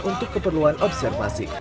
untuk keperluan observasi